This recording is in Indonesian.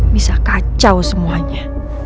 bisa kacau semuanya